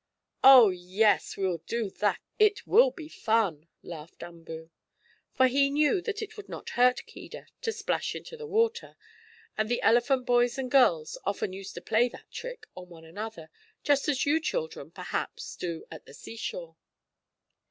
"Oh, yes, we'll do that. It will be fun!" laughed Umboo. For he knew that it would not hurt Keedah to splash into the water, and the elephant boys and girls used often to play that trick on one another, just as you children, perhaps, do at the seashore.